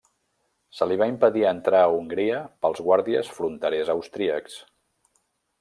Se li va impedir entrar a Hongria pels guàrdies fronterers austríacs.